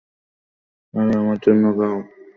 আরে, আমার জন্য গাও।